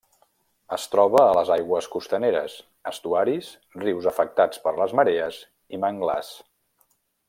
Es troba a les aigües costaneres, estuaris, rius afectats per les marees i manglars.